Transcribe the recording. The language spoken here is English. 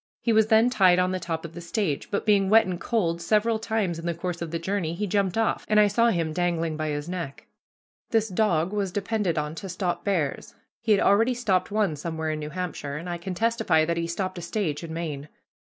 He was then tied on the top of the stage, but, being wet and cold, several times in the course of the journey he jumped off, and I saw him dangling by his neck. This dog was depended on to stop bears. He had already stopped one somewhere in New Hampshire, and I can testify that he stopped a stage in Maine.